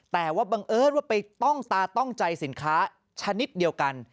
แต่ว่าบังเอิญว่าไปต้องตาต้องใจสินค้าชนิดเดียวกัน